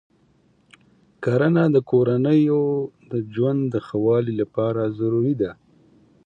کرنه د کورنیو د ژوند د ښه والي لپاره ضروري ده.